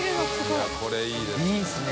いこれいいですね。